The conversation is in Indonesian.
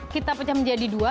kita pecah menjadi dua